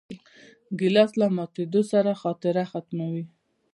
ګیلاس له ماتېدو سره خاطره ختموي.